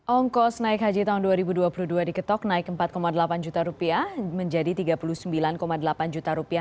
ongkos naik haji tahun dua ribu dua puluh dua diketok naik rp empat delapan juta menjadi rp tiga puluh sembilan delapan juta rupiah